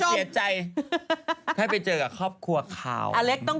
เขาให้ไปเจอกับครอบครัวคาว